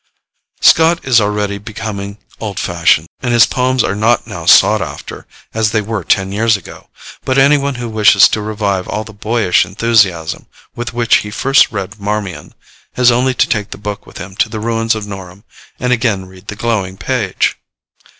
'' Scott is already becoming old fashioned, and his poems are not now sought after, as they were ten years ago; but any one who wishes to revive all the boyish enthusiasm with which he first read 'Marmion,' has only to take the book with him to the ruins of Norham and again read the glowing page!